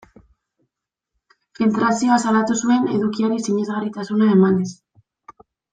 Filtrazioa salatu zuen, edukiari sinesgarritasuna emanez.